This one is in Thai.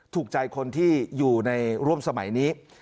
ถูกใจคนที่อยู่ในร่วมสมัยนี้